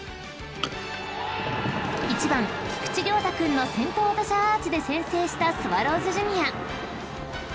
［１番菊池遼太君の先頭打者アーチで先制したスワローズジュニア］